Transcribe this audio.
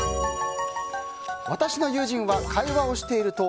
私の友人は会話をしていると